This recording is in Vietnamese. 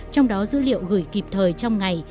trong đó dữ liệu gửi kịp thời trong ngày